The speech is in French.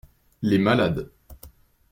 Les malades.